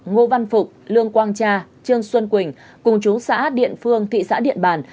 ngô văn phục lương quang tra trương xuân quỳnh cùng chúng xã điện phương thị xã điện bàn